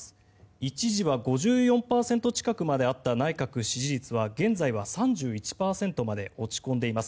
一時は５４％近くまであった内閣支持率は現在は３１％まで落ち込んでいます。